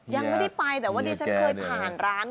ยังไม่ได้ไปแต่ว่าดิฉันเคยผ่านร้าน